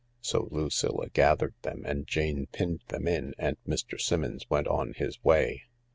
So Lucilla gathered them and Jane pinned them in and Mr. Simmons went on his way.